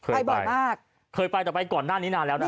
ไปบ่อยมากเคยไปแต่ไปก่อนหน้านี้นานแล้วนะ